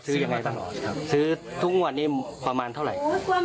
ซื้อทุกงวดนี้ประมาณเท่าไหร่